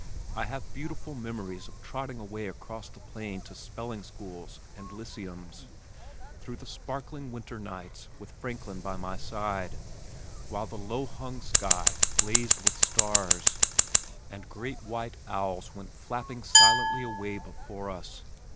I have beautiful memories of trotting away across the plain to spelling schools and "Lyceums" through the sparkling winter nights with Franklin by my side, while the low hung sky blazed with stars, and great white owls went flapping silently away before us.